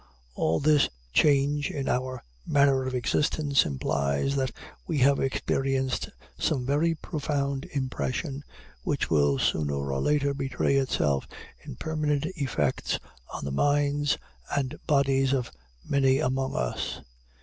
All this change in our manner of existence implies that we have experienced some very profound impression, which will sooner or later betray itself in permanent effects on the minds and bodies of many among us.